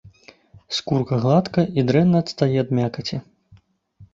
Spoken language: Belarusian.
Скурка гладкая і дрэнна адстае ад мякаці.